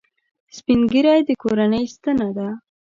سپین ږیری د کورنۍ ستنه ده